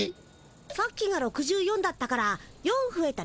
さっきが６４だったから４ふえたね。